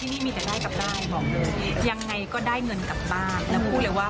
ตอนนี้เราพร้อมเราสองคนเราพร้อมเปรย์ด้วยนะ